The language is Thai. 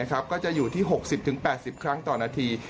ก็จะอยู่ที่๖๐๘๐ครั้งต่อนาที